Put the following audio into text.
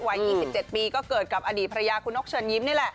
วัย๒๗ปีก็เกิดกับอดีตภรรยาคุณนกเชิญยิ้มนี่แหละ